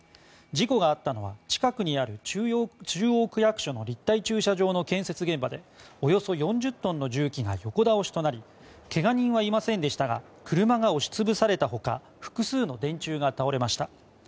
事故があったのは、近くにある中央区役所の立体駐車場の建設現場でおよそ４０トンの重機が横倒しとなりけが人はいませんでしたが車が押し潰された他複数の電柱が倒れました。